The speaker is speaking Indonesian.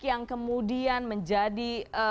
yang kemudian menjadi